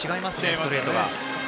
ストレートが。